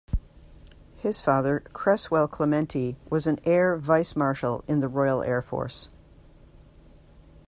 His father, Cresswell Clementi, was an Air Vice-Marshal in the Royal Air Force.